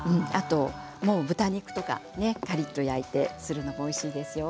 豚肉とかカリっと焼いてそれでもおいしいですよ。